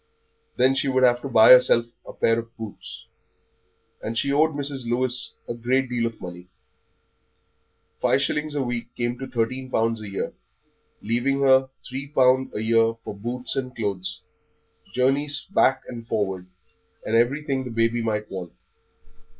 Then she would have to buy herself a pair of boots; and she owed Mrs. Lewis a good deal of money. Five shillings a week came to thirteen pound a year, leaving her three pound a year for boots and clothes, journeys back and forward, and everything the baby might want.